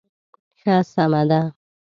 ښه سمه ده.